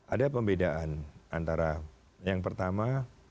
ada pembedaan antara yang pertama